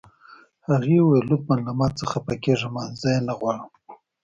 هغې وویل: لطفاً له ما څخه خفه مه کیږئ، زه یې نه غواړم.